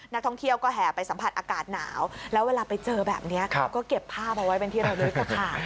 นักท่องเที่ยวก็แห่ไปสัมผัสอากาศหนาวแล้วเวลาไปเจอแบบนี้ก็เก็บภาพเอาไว้เป็นที่ระลึกค่ะ